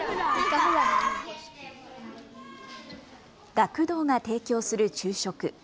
学童が提供する昼食。